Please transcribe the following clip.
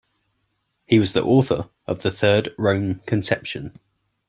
He was the author of the Third Rome conception.